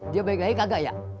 dia balik lagi kagak ya